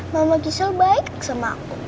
mama gisel baik sama aku